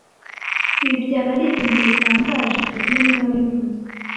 Ibi byaba ari ibintu bitangaje fabien niwe wabivuze